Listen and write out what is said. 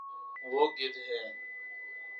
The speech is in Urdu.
وہ گد ہ ہے